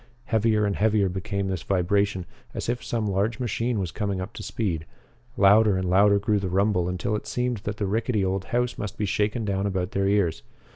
Heavier and heavier became this vibration, as if some large machine was coming up to speed. Louder and louder grew the rumble until it seemed that the rickety old house must be shaken down about their ears.